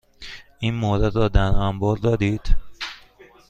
این مورد را در انبار دارید؟